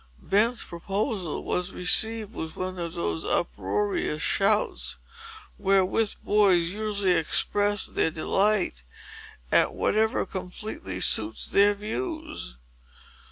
Ben's proposal was received with one of those uproarious shouts, wherewith boys usually express their delight at whatever completely suits their views.